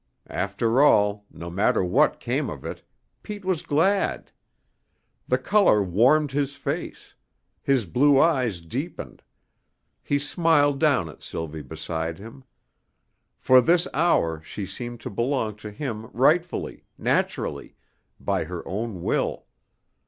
After all, no matter what came of it, Pete was glad. The color warmed his face; his blue eyes deepened; he smiled down at Sylvie beside him. For this hour she seemed to belong to him rightfully, naturally, by her own will.